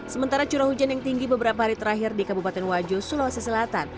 sementara curah hujan yang tinggi beberapa hari terakhir di kabupaten wajo sulawesi selatan